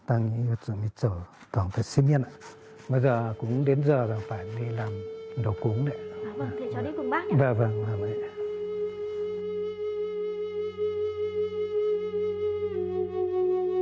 anh có thường hay làm không ạ